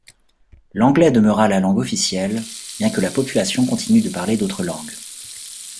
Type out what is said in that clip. L'anglais demeura la langue officielle, bien que la population continue de parler d'autres langues.